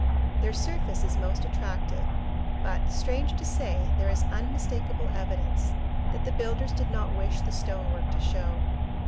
Their surface is most attractive, but, strange to say, there is unmistakable evidence that the builders did not wish the stonework to show.